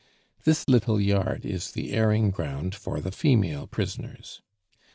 This little yard is the airing ground for the female prisoners.